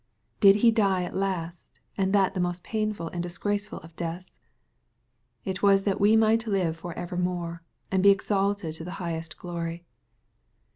— Did He die at last, and that the most painful and dis graceful of deaths ? It was that we might live for evermore, and be exalted to the highest glory.